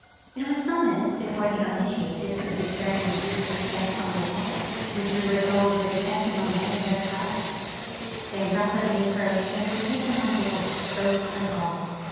It was some minutes before the uninitiated could discern the dis tant specks on the water, which W(! were told were the Eskimo men in their kayaks. They rai)idly approiicbcd and were taken' on lioard — l)oats and all.